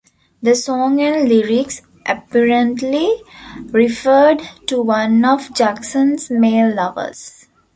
The song and lyrics apparently referred to one of Jackson's male lovers.